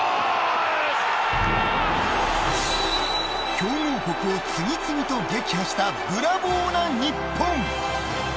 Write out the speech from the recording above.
強豪国を次々と撃破したブラボーな日本！